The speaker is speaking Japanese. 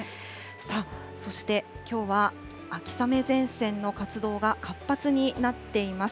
そして、きょうは秋雨前線の活動が活発になっています。